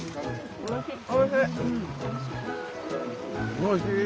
・おいしい。